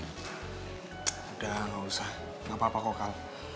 udah enggak usah enggak apa apa kokal